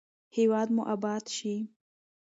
هیواد مو اباد شي.